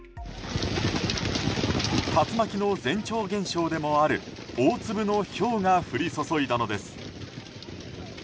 竜巻の前兆現象でもある大粒のひょうが降り注いだのです。